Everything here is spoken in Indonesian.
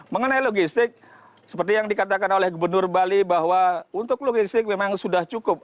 mengenai logistik seperti yang dikatakan oleh gubernur bali bahwa untuk logistik memang sudah cukup